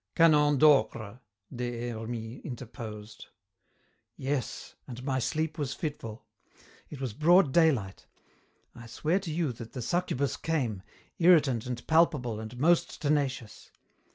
"Canon Docre," Des Hermies interposed. "Yes, and my sleep was fitful. It was broad daylight. I swear to you that the succubus came, irritant and palpable and most tenacious.